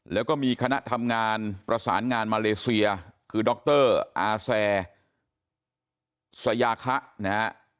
แล้วก็มีคณะทำงานประสานงานมาเลเซียคือดรอาแซสยาคะนะฮะ